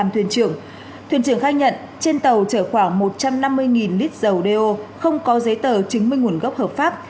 thuyền trưởng khai nhận trên tàu chở khoảng một trăm năm mươi lít dầu do không có giấy tờ chứng minh nguồn gốc hợp pháp